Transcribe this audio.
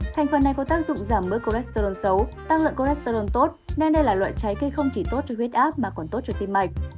thành phần này có tác dụng giảm mức cholesterol xấu tăng lượng cholesterol tốt nên đây là loại trái cây không chỉ tốt cho huyết áp mà còn tốt cho tim mạch